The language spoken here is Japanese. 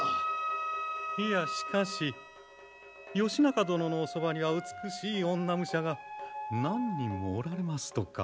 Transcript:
いやしかし義仲殿のおそばには美しい女武者が何人もおられますとか。